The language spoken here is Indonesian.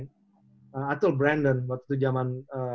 aku bilang ke brandon waktu itu jaman